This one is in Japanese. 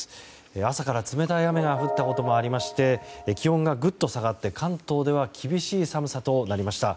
朝から冷たい雨が降ったこともありまして気温がぐっと下がって関東では厳しい寒さとなりました。